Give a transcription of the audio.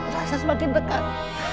rasa semakin dekat